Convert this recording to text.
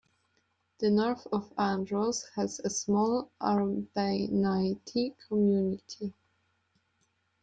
The north of Andros has a small Arvanite community.